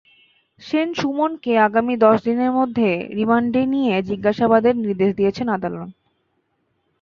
সেন সুমনকে আগামী দশদিনের মধ্যে রিমান্ডে নিয়ে জিজ্ঞাসাবাদের নির্দেশ দিয়েছেন আদালত।